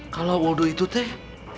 kalau woldo itu teh